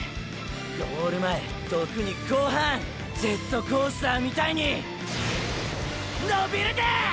ゴール前特に後半ジェットコースターみたいにのびるで！！